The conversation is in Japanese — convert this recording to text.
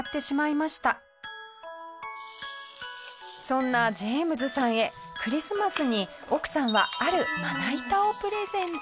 そんなジェームズさんへクリスマスに奥さんはあるまな板をプレゼント。